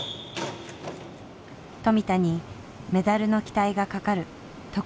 富田にメダルの期待がかかる得意種目だ。